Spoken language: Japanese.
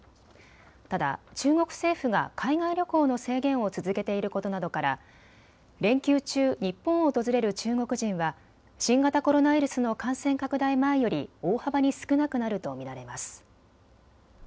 ただ中国政府が海外旅行の制限を続けていることなどから連休中、日本を訪れる中国人は新型コロナウイルスの感染拡大前より大幅に少なくなると見られます。